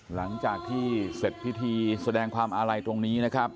หลังจากที่เสร็จพิธีแสดงความอาลัยตรงนี้นะครับ